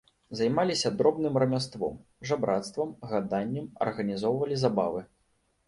Займаліся дробным рамяством, жабрацтвам, гаданнем, арганізоўвалі забавы.